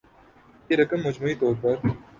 یہ رقم مجموعی طور پر